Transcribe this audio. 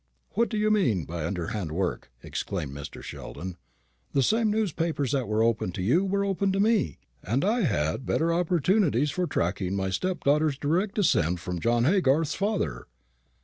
"What do you mean by underhand work?" exclaimed Mr. Sheldon. "The same newspapers that were open to you were open to me, and I had better opportunities for tracking my stepdaughter's direct descent from John Haygarth's father."